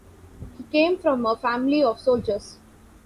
He came from a family of soldiers.